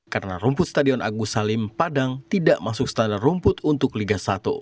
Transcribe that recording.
karena rumput stadion agus salim padang tidak masuk standar rumput untuk liga satu